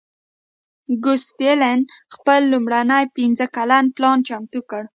ګوسپلن خپل لومړنی پنځه کلن پلان چمتو کړ